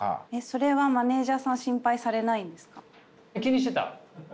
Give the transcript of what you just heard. それはマネージャーさん心配されないんですか？